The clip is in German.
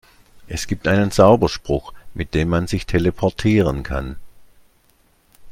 Es gibt einen Zauberspruch, mit dem man sich teleportieren kann.